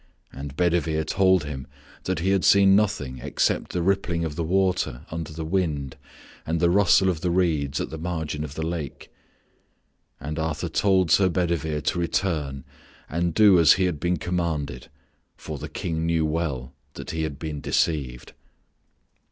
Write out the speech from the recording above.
And Bedivere told him that he had seen nothing except the rippling of the water under the wind and the rustle of the reeds at the margin of the lake. And Arthur told Sir Bedivere to return and do as he had been commanded, for the King knew well that he had been deceived.